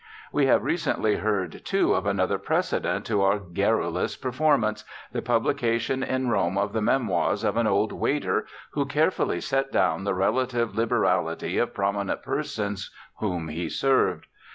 We have recently heard, too, of another precedent to our garrulous performance, the publication in Rome of the memoirs of an old waiter, who carefully set down the relative liberality of prominent persons whom he served.